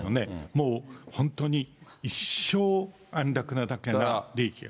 もう本当に一生安楽な利益が。